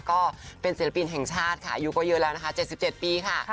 ก็เป็นศิลปินแห่งชาติค่ะอายุก็เยอะแล้วนะคะ๗๗ปีค่ะ